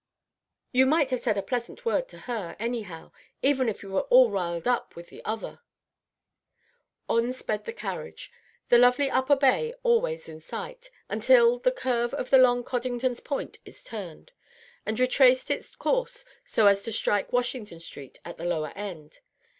You might have said a pleasant word to her, anyhow, even if you were all riled up with the other." On sped the carriage, the lovely Upper Bay always in sight, until on the curve of the long Coddington's Point it turned, and retraced its course so as to strike Washington Street at the lower end.